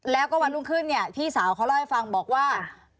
แล้วก็วันรุ่งขึ้นเนี่ยพี่สาวเขาเล่าให้ฟังบอกว่า